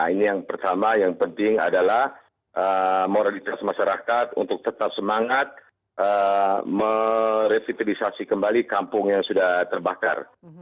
ini yang pertama yang penting adalah moralitas masyarakat untuk tetap semangat merevitalisasi kembali kampung yang sudah terbakar